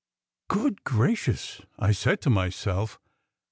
"Good gracious!" I said to myself.